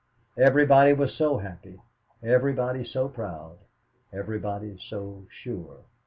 Everybody was so happy, everybody so proud, everybody so sure.